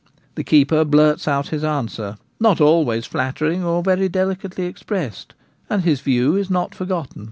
' The keeper blurts out his answer, not always flattering or very delicately expressed ; and his view is not forgotten.